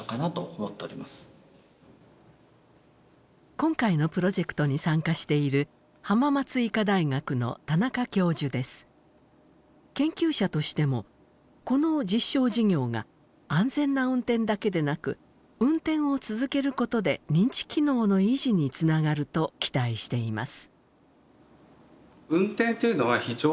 今回のプロジェクトに参加している研究者としてもこの実証事業が安全な運転だけでなく運転を続けることで認知機能の維持につながると期待しています。